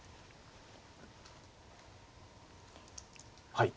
はい。